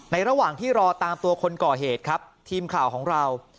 ระหว่างที่รอตามตัวคนก่อเหตุครับทีมข่าวของเรา